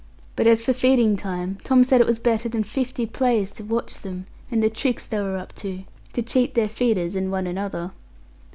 But as for feeding time, Tom said it was better than fifty plays to watch them, and the tricks they were up to, to cheat their feeders, and one another.